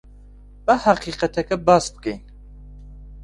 با ھەقیقەتەکە باس بکەین.